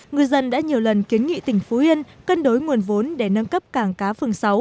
ngư dân đã nhiều lần kiến nghị tỉnh phú yên cân đối nguồn vốn để nâng cấp cảng cá phường sáu